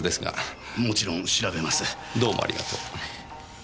どうもありがとう。